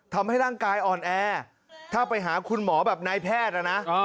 ทำให้ร่างกายอ่อนแอถ้าไปหาคุณหมอแบบนายแพทย์นะ